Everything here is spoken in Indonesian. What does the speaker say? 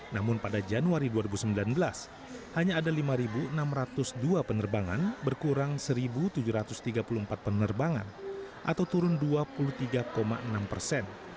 namun pada januari dua ribu sembilan belas hanya ada lima enam ratus dua penerbangan berkurang satu tujuh ratus tiga puluh empat penerbangan atau turun dua puluh tiga enam persen